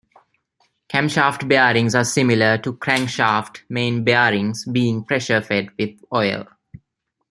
Camshaft bearings are similar to crankshaft main bearings, being pressure-fed with oil.